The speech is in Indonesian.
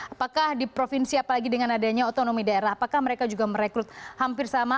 apakah di provinsi apalagi dengan adanya otonomi daerah apakah mereka juga merekrut hampir sama